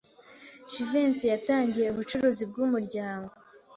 Jivency yatangiye ubucuruzi bwumuryango.